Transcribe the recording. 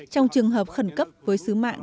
trong trường hợp khẩn cấp với sứ mạng